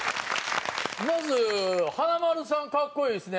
まず華丸さん格好いいですね。